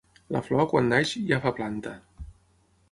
La flor, quan neix, ja fa planta.